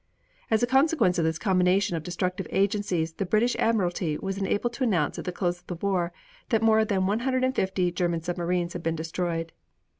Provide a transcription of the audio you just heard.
As a consequence of this combination of destructive agencies the British Admiralty was enabled to announce at the close of the war that more than 150 German submarines had been destroyed.